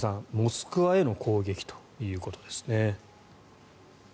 モスクワへの攻撃ということですね。